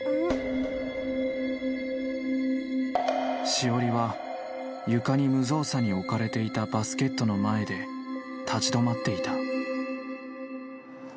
「シオリは床に無造作に置かれていたバスケットの前で立ち止まっていた」